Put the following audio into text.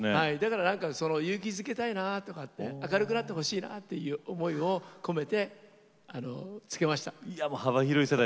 勇気づけたいな明るくなってほしいなという思いを込めてつけました。